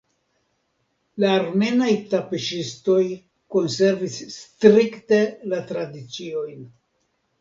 La armenaj tapiŝistoj konservis strikte la tradiciojn.